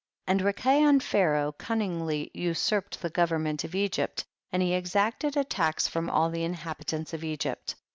31. And Rikayon Pharaoh cun ningly usurped the government of Egypt, and he exacted a tax from all the inhabitants of Egypt.